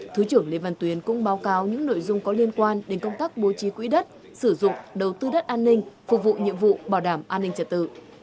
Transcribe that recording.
thứ trưởng lê văn tuyến cũng báo cáo những nội dung có liên quan đến công tác bố trí quỹ đất sử dụng đầu tư đất an ninh phục vụ nhiệm vụ bảo đảm an ninh trật tự